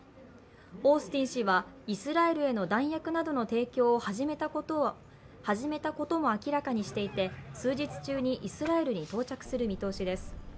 オースティン氏はイスラエルへの弾薬などの提供を始めたことも明らかにしていて数日中にイスラエルに到着する見通しです。